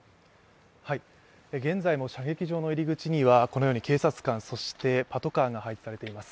現在も射撃場の入り口にはこのように警察官そしてパトカーが配置されています。